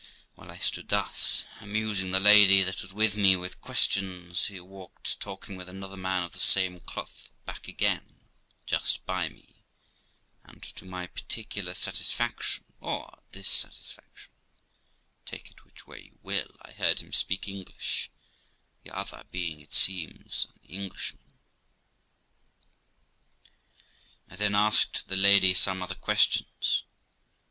While I stood thus, amusing the lady that was with me with questions, he walked, talking with another man of the same cloth, back again, just by me ; and to my particular satisfaction, or dissatisfaction take it which way you will I heard him speak English, the other being, it seems, an Englishman. I then asked the lady some other questions.